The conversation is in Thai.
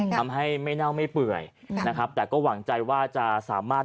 ทำให้ไม่เน่าไม่เปื่อยนะครับแต่ก็หวังใจว่าจะสามารถ